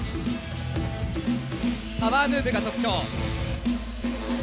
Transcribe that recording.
パワームーブが特徴。